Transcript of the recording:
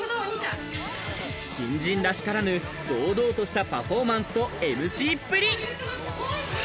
新人らしからぬ堂々としたパフォーマンスとＭＣっぷり。